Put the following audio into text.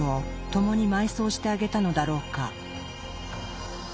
共に埋葬してあげたのだろうか。